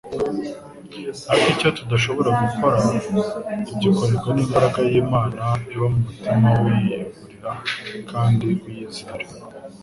ariko icyo tudashobora gukora tugikorerwa n'imbaraga y'Imana iba mu mutima w'uyiyeguriye kandi uyizera.